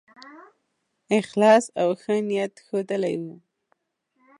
اخلاص او ښه نیت ښودلی وو.